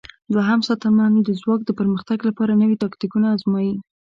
دوهم ساتنمن د ځواک د پرمختګ لپاره نوي تاکتیکونه آزمايي.